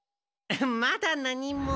まだ何も。